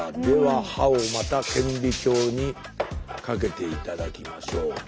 では刃をまた顕微鏡にかけて頂きましょう。